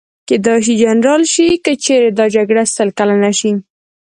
کېدای شي جنرال شي، که چېرې دا جګړه سل کلنه شي.